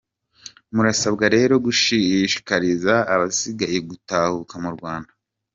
Murasabwa rero gushishikariza abasigayeyo gutahuka mu Rwanda.